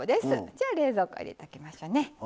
じゃあ冷蔵庫入れときましょうね。